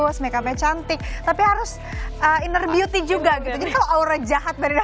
bagus makeupnya cantik tapi harus inner beauty juga gitu jadi kalau aura jahat dari dalam